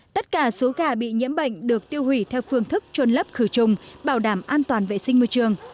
tất cả số gà bị nhiễm bệnh được tiêu hủy theo phương thức trôn lấp khử trùng bảo đảm an toàn vệ sinh môi trường